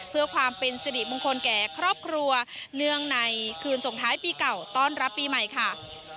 เพื่อความเป็นสิริมงคลแก่ครอบครัวเนื่องในคืนส่งท้ายปีเก่าต้อนรับปีใหม่ค่ะ